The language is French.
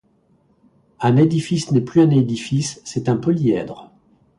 Un édifice n'est plus un édifice, c'est un polyèdre.